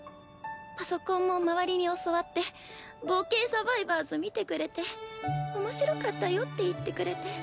パソコンも周りに教わって「冒険サバイバーズ」見てくれて面白かったよって言ってくれて。